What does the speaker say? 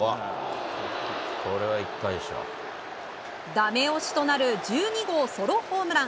ダメ押しとなる１２号ソロホームラン。